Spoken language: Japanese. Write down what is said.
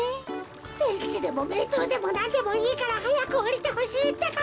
センチでもメートルでもなんでもいいからはやくおりてほしいってか。